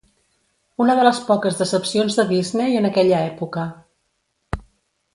Una de les poques decepcions de Disney en aquella època.